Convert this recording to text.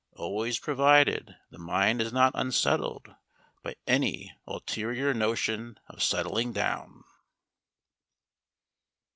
Always provided the mind is not unsettled by any ulterior notion of settling down.